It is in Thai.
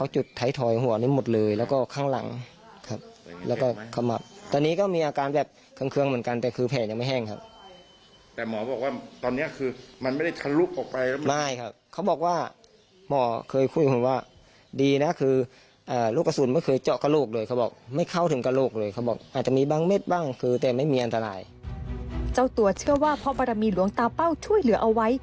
เจ้าตัวเชื่อว่าพระบรมีหลวงตาเป้าช่วยเหลือเอาไว้